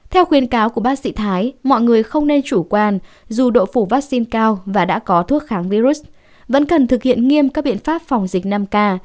theo khuyến cáo của bác sĩ thái mọi người không nên chủ quan dù độ phủ vaccine cao và đã có thuốc kháng virus vẫn cần thực hiện nghiêm các biện pháp phòng dịch năm k